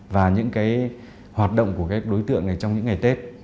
và những hoạt động của đối tượng trong những ngày tết